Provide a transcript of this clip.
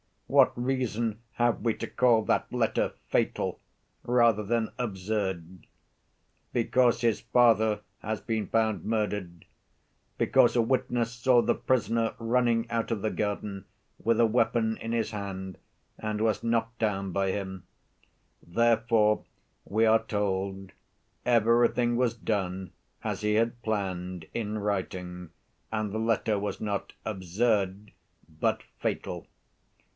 What reason have we to call that letter 'fatal' rather than absurd? Because his father has been found murdered, because a witness saw the prisoner running out of the garden with a weapon in his hand, and was knocked down by him: therefore, we are told, everything was done as he had planned in writing, and the letter was not 'absurd,' but 'fatal.